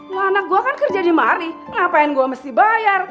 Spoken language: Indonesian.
wah anak gue kan kerja di mari ngapain gue mesti bayar